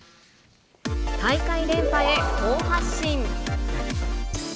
大会連覇へ好発進。